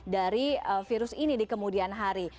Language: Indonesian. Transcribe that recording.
dari virus ini di kemudian hari